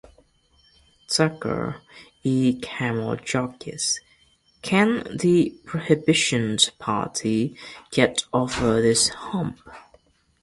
Tucker, E. Camel jockeys: Can the Prohibition Party get over this hump?